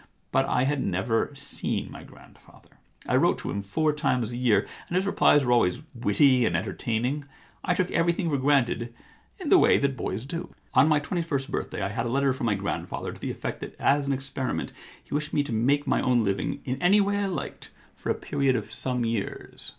But I had never seen my grand father. I wrote to him four times a year, and his replies were always witty and enter taining. I took everything for granted in the way that boys do. * On my twenty first birthday I had a letter from my grandfather to the effect that as an experiment he wished me to make my own living in any way I liked for a period I20 The Identity Problem of some years.